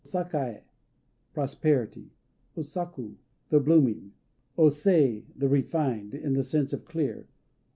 Sakaë "Prosperity." O Saku "The Blooming." O Sei "The Refined," in the sense of "clear."